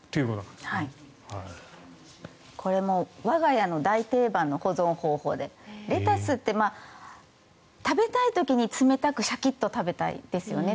これも我が家の大定番の保存方法でレタスって食べたい時に冷たくシャキッと食べたいですよね。